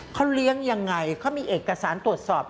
เขาเลี้ยงยังไงเขามีเอกสารตรวจสอบ